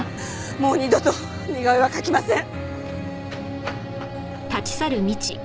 もう二度と似顔絵は描きません。